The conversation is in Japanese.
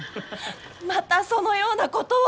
またそのようなことを。